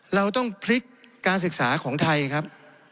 เราต้องพลิกการศึกษาของไทยครับ